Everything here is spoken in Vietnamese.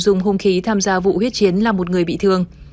dùng hôn khí tham gia vụ huyết chiến là một người bị thương